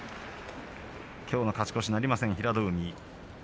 きょうの勝ち越しなりません平戸海。